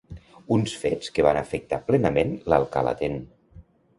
Uns fets que van afectar plenament l'Alcalatén.